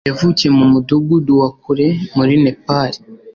Yavukiye mu mudugudu wa kure muri Nepal.